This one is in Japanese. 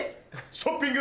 ショッピング。